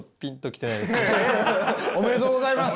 おめでとうございます！